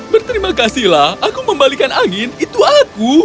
berterima kasihlah aku membalikan angin itu aku